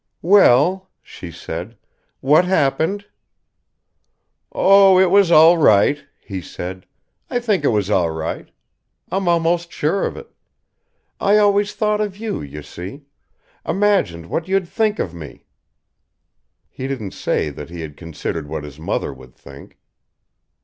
"Well," she said, "what happened?" "Oh, it was all right," he said. "I think it was all right. I'm almost sure of it. I always thought of you, you see. Imagined what you'd think of me." He didn't say that he had considered what his mother would think.